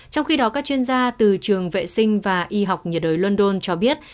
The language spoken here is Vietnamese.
trong khi đó các chuyên gia từ trường vệ sinh và y học nhiệt đới london cho biết